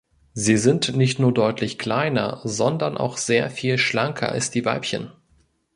Sie sind nicht nur deutlich kleiner, sondern auch sehr viel schlanker als die Weibchen.